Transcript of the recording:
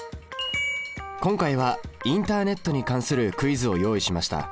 今回はインターネットに関するクイズを用意しました。